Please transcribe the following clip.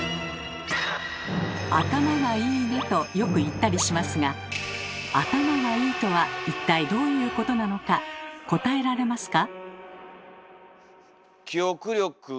「頭がいいね」とよく言ったりしますが頭がいいとは一体どういうことなのか答えられますか？